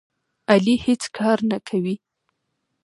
علي هېڅ کار نه کوي.